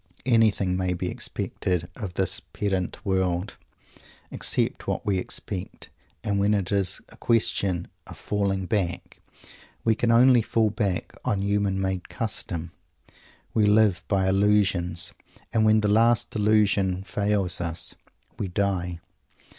Anything may be expected of this "pendant world," except what we expect; and when it is a question of "falling back," we can only fall back on human made custom. We live by Illusions, and when the last Illusion fails us, we die.